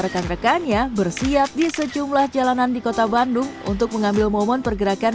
rekan rekannya bersiap di sejumlah jalanan di kota bandung untuk mengambil momen pergerakan